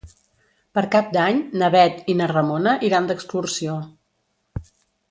Per Cap d'Any na Bet i na Ramona iran d'excursió.